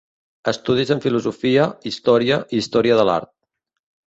Estudis en filosofia, història i història de l'art.